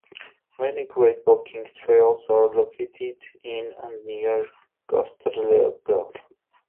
Many great walking trails are located in and near Castlegar.